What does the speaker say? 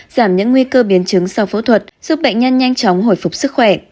giảm những nguy cơ biến chứng sau phẫu thuật giúp bệnh nhân nhanh chóng hồi phục sức khỏe